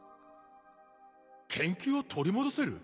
研究を取り戻せる？